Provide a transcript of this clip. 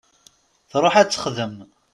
Truḥ ad texdem.